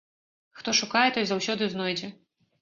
Хто шукае, той заўсёды знойдзе.